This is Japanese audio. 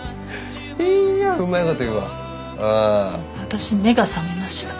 私目が覚めました。